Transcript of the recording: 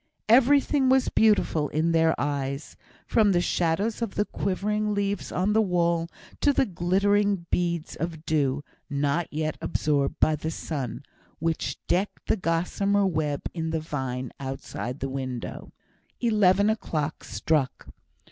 Everything was beautiful in their eyes; from the shadows of the quivering leaves on the wall to the glittering beads of dew, not yet absorbed by the sun, which decked the gossamer web in the vine outside the window. Eleven o'clock struck.